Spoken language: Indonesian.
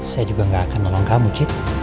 saya juga gak akan nolong kamu cit